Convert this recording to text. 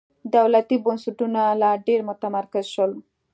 دولتي بنسټونه لا ډېر متمرکز شول.